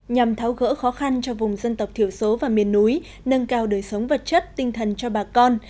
nhằm tháo gỡ khó khăn cho vùng dân tộc thiểu số và miền núi nâng cao đời sống vật chất tinh thần cho bà con